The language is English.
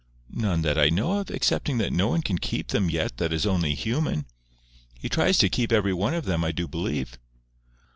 "None that I know of; excepting that no one can keep them yet that is only human. He tries to keep every one of them I do believe."